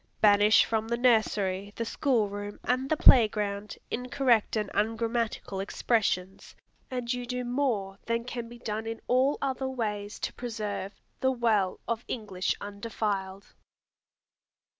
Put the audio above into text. Banish from the nursery, the school room, and the play ground, incorrect and ungrammatical expressions, and you do more than can be done in all other ways to preserve "the well of English undefiled."